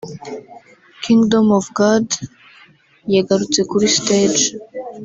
Kingdom of God yagarutse kuri stage